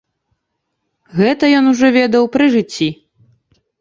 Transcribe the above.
Гэта ён ужо ведаў пры жыцці.